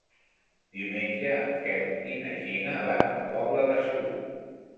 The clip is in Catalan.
Diumenge en Quel i na Gina van a la Pobla de Segur.